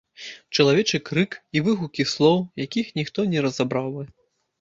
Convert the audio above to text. Чалавечы крык і выгукі слоў, якіх ніхто не разабраў бы.